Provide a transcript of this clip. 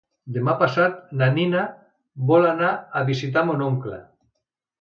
Demà passat na Nina vol anar a visitar mon oncle.